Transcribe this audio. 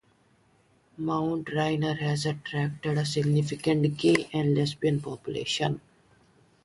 Mount Rainier has attracted a significant gay and lesbian population.